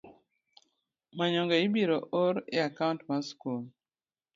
Manyonge ibiro or e akaunt mar skul.